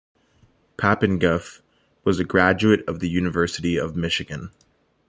Papenguth was a graduate of the University of Michigan.